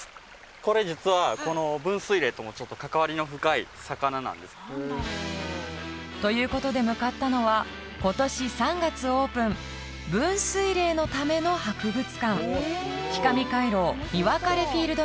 これ実はこの分水嶺ともちょっと関わりの深い魚なんですということで向かったのは今年３月オープン分水嶺のための博物館氷上回廊水分れフィールド